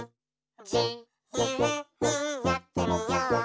「じゆうにやってみよう」